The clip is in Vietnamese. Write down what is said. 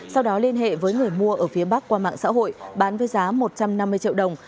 sau đó liên hệ với người mua ở phía bắc qua mạng xã hội bán với giá một trăm năm mươi triệu đồng